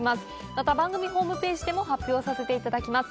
また番組ホームページでも発表させて頂きます